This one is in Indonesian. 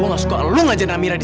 mau ke dil deliberate